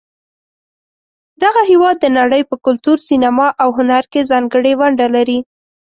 دغه هېواد د نړۍ په کلتور، سینما، او هنر کې ځانګړې ونډه لري.